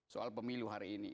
soal pemilu hari ini